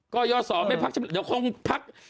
ก็ยอดสอบไปพักจะบางทีเดี๋ยวคงพัก